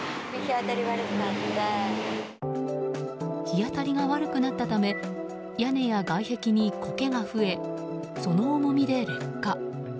日当たりが悪くなったため屋根や外壁にコケが増えその重みで劣化。